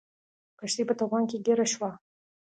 کښتۍ په طوفان کې ګیره شوه.